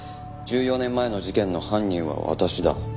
「１４年前の事件の犯人は私だ」